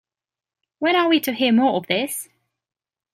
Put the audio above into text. When are we to hear more of this?